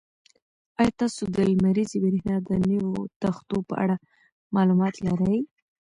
ایا تاسو د لمریزې برېښنا د نویو تختو په اړه معلومات لرئ؟